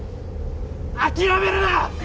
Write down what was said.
諦めるな！